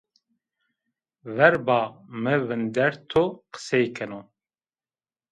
Verba mi vindeto qisey keno